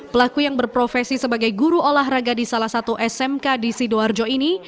pelaku yang berprofesi sebagai guru olahraga di salah satu smk di sidoarjo ini